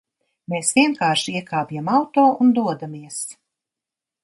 Mēs vienkārši iekāpjam auto un dodamies...